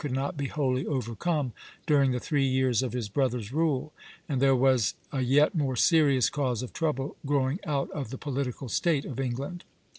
could not be wholly overcome during the three years of his brother's rule, and there was a yet more serious cause of trouble growing out of the political state of England.